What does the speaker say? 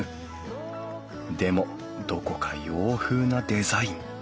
でもどこか洋風なデザイン。